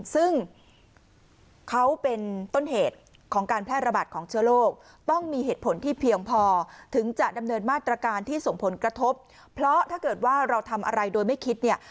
ซึ่งเขาเป็นต้นเหตุของการแพร่ระบาดของเชื้อโรค